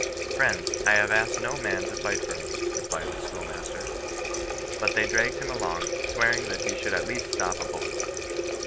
^^ Friends, I have asked no man to fight for me," replied the schoolmaster. But they dragged him along, swearing that he should at least stop a himet.